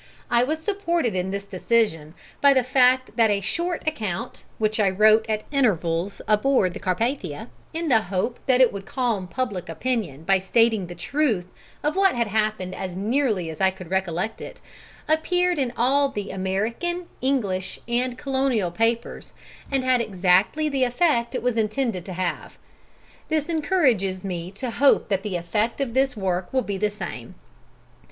I was supported in this decision by the fact that a short account, which I wrote at intervals on board the Carpathia, in the hope that it would calm public opinion by stating the truth of what happened as nearly as I could recollect it, appeared in all the American, English, and Colonial papers and had exactly the effect it was intended to have. This encourages me to hope that the effect of this work will be the same.